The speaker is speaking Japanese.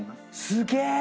すげえ！